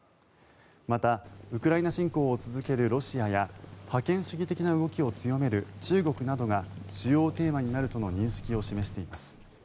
また、ウクライナ侵攻を続けるロシアや覇権主義的な動きを強める中国などが主要テーマになるとの認識を示しています。